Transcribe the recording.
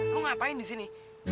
lo ngapain di sini